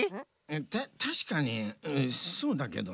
たしかにそうだけどよう。